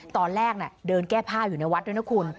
ตอนแรกเดินแก้ผ้าอยู่ในวัดด้วยนะคุณ